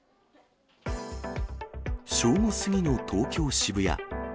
正午過ぎの東京・渋谷。